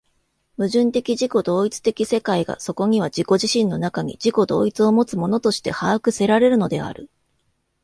矛盾的自己同一的世界がそこには自己自身の中に自己同一をもつものとして把握せられるのである。